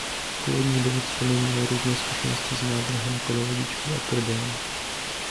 Původních devět členů mělo různé zkušenosti s návrhem polovodičů a prodejem.